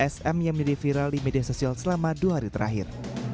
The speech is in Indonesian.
sm yang menjadi viral di media sosial selama dua hari terakhir